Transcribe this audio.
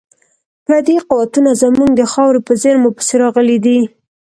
پردي قوتونه زموږ د خاورې په زیرمو پسې راغلي دي.